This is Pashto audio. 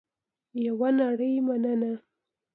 یوه نړۍ مننه